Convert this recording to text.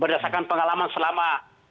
berdasarkan pengalaman selama